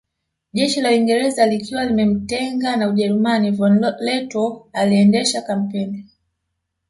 Jeshi la Uingereza likiwa limemtenga na Ujerumani von Lettow aliendesha kampeni